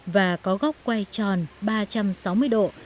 và có góc quay tròn ba trăm sáu mươi độ